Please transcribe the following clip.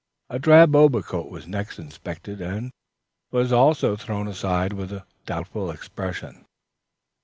A drab overcoat was next inspected, and was also thrown aside with a doubtful expression.